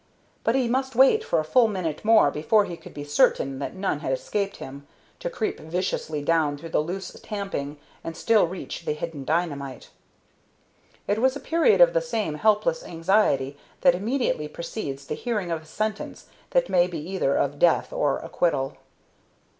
But he must wait for a full minute more before he could be certain that none had escaped him, to creep viciously down through the loose tamping and still reach the hidden dynamite. It was a period of the same helpless anxiety that immediately precedes the hearing of a sentence that may be either one of death or acquittal.